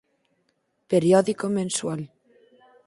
Periódico mensual.